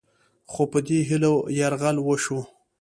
خو په دې هیلو یرغل وشو